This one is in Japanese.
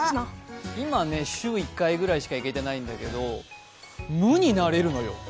今ね、週１回ぐらいしか行けてないんだけど、無になれるのよ。